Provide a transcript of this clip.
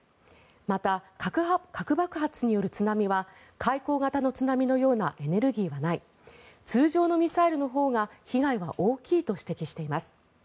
また、核爆発による津波は海溝型の津波のようなエネルギーはない通常のミサイルのほうが被害は大きいと指摘しています。